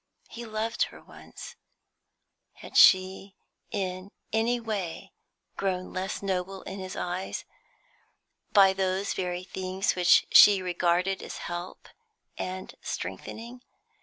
He loved her once. Had she in any way grown less noble in his eyes, by those very things which she regarded as help and strengthening?